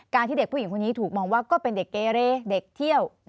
ที่เด็กผู้หญิงคนนี้ถูกมองว่าก็เป็นเด็กเกเรเด็กเที่ยว